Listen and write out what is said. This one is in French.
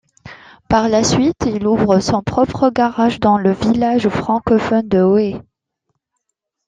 Par la suite, il ouvre son propre garage dans le village francophone de Hoey.